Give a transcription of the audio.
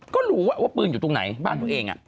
ก็รู้ว่าปืนอยู่ตรงไหนบ้านตัวเอง